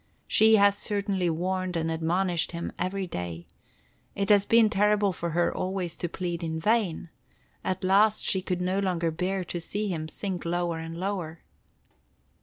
She has certainly warned and admonished him every day. It has been terrible for her always to plead in vain. At last she could no longer bear to see him sink lower and lower."